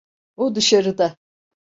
O dışarıda.